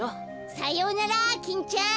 さようならキンちゃん。